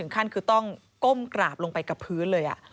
ก็ต้องก้มกราบลงไปกับพื้นเลย